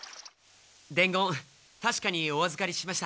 伝言たしかにおあずかりしました。